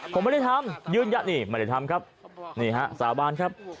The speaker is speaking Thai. ผมไม่ได้ทำยืนยันนี่ไม่ได้ทำครับนี่ฮะสาบานครับ